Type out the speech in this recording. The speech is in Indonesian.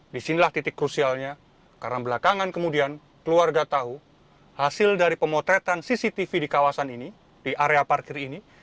disinilah titik krusialnya karena belakangan kemudian keluarga tahu hasil dari pemotretan cctv di kawasan ini di area parkir ini